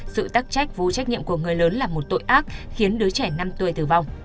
sự tắc trách vô trách nhiệm của người lớn là một tội ác khiến đứa trẻ năm tuổi tử vong